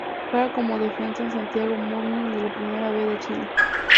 Juega como Defensa en Santiago Morning de la Primera B de Chile.